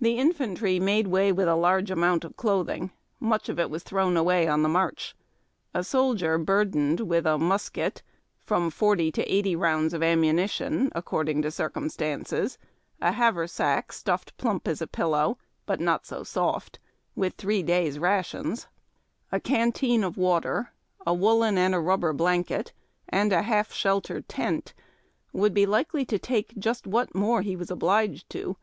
The infantry made way with a large amount of clothing. Much of it was thrown away on the march. A soldier burdened with a musket, from forty to eighty rounds of ammunition, according to circumstances ; a haversack stuffed plump as a pillow, but not so soft, with three days rations; a canteen of water, a woollen and rubber blanket, and a half shelter tent, would be likely to take just what more he was obliged to.